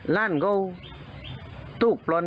โต๊คปรอนอ่อน